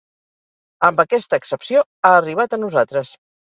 Amb aquesta accepció ha arribat a nosaltres.